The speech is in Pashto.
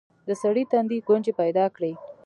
د سړي تندي ګونځې پيدا کړې.